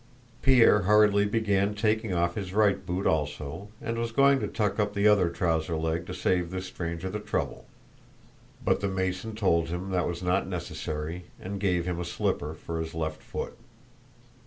Pierre hurriedly began taking off his right boot also and was going to tuck up the other trouser leg to save this stranger the trouble, but the Mason told him that was not necessary and gave him a slipper for his left foot.